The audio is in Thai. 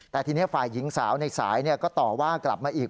แต่ทีนี้ฝ่ายหญิงสาวในสายก็ต่อว่ากลับมาอีก